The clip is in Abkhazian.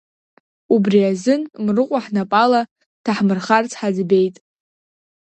Убри азын, Мрыҟәа ҳнапала дҭаҳмырхарц ҳаӡбеит.